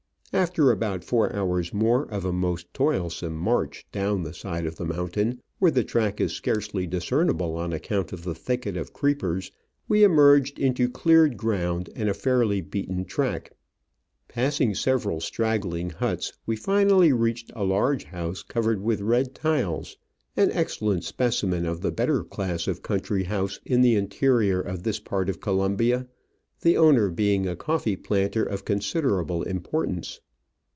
After about four hours more of a most toilsome march down the side of the Digitized by VjOOQIC OF AN Orchid Hunter, yy mountain, where the track is scarcely discernible on account of the thicket of creepers, we emerged into cleared ground and a fairly beaten track. Passing several straggling huts, we finally reached a large house covered with red tiles, an excellent specimen of the better class of country house in the interior of this part of Colombia, the owner being a coffee planter of considerable importance.